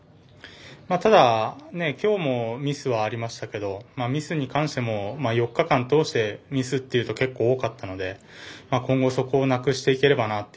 ただ、きょうもミスはありましたけどミスに関しても４日間通してミスっていうと結構多かったので今後、そこをなくしていければな。